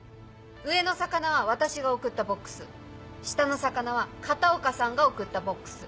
上の魚は私が送ったボックス下の魚は片岡さんが送ったボックス。